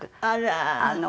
あら！